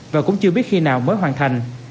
và cũng chưa biết khi nào mới hoàn thành